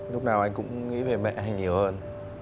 lúc nào anh cũng nghĩ về mẹ anh nhiều hơn